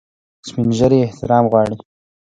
سپین ږیری احترام غواړي